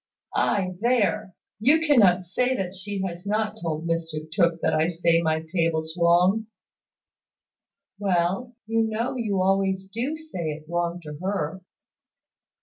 "Ay, there! You cannot say that she has not told Mr Tooke that I say my tables wrong." "Well you know you always do say it wrong to her."